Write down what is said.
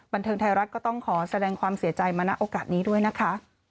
บันเทิงไทยรัฐก็ต้องขอแสดงความเสียใจมาณโอกาสนี้ด้วยนะคะ